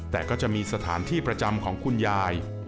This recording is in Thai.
แต่ก็จะมีสถานที่ประจำของคุณยาย